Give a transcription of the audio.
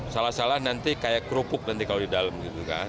salah salah nanti kayak kerupuk nanti kalau di dalam gitu kan